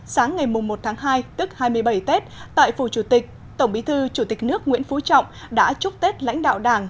sáng ngày một tháng hai tức hai mươi bảy tết tại phủ chủ tịch tổng bí thư chủ tịch nước nguyễn phú trọng đã chúc tết lãnh đạo đảng